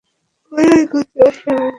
ঘোড়ার গতি অস্বাভাবিক দ্রুততর হয়।